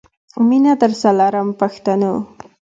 مینه درسره لرم پښتنو.